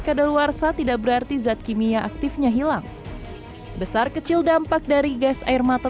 kadaluarsa tidak berarti zat kimia aktifnya hilang besar kecil dampak dari gas air mata